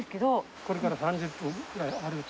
ここから３０分ぐらい歩いて。